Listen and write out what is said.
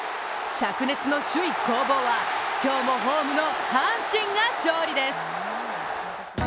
しゃく熱の首位攻防は今日もホームの阪神が勝利です。